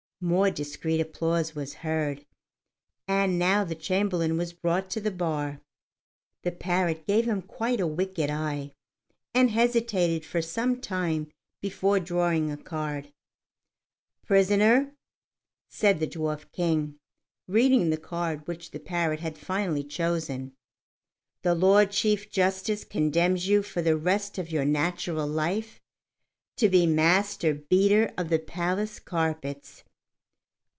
More discreet applause was heard. And now the Chamberlain was brought to the bar. The parrot gave him quite a wicked eye, and hesitated for some time before drawing a card. "Prisoner," said the Dwarf King, reading the card which the parrot had finally chosen, "the Lord Chief Justice condemns you for the rest of your natural life to be Master Beater of the Palace Carpets."